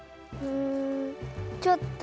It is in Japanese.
うん。